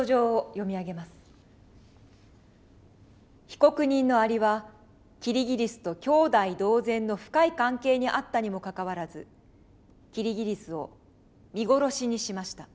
被告人のアリはキリギリスと兄弟同然の深い関係にあったにもかかわらずキリギリスを見殺しにしました。